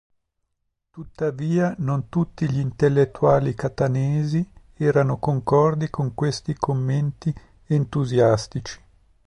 Tuttavia non tutti gli intellettuali catanesi erano concordi con questi commenti entusiastici.